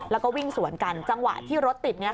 แล้วก็วิ่งสวนกันจังหวะที่รถติดเนี่ย